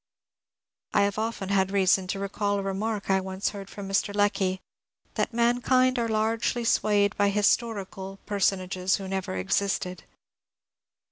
I have often had reason to recall a remark I once heard from Mr. Lecky, — that mankind are largely swayed by " historical " personages who never existed.